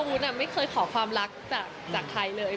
วุฒิไม่เคยขอความรักจากใครเลย